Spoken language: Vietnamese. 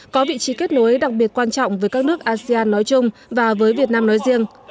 có vị trí kết nối đặc biệt quan trọng với các nước asean nói chung và với việt nam nói riêng